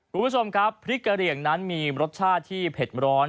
คุณผู้ชมครับพริกกะเหลี่ยงนั้นมีรสชาติที่เผ็ดร้อน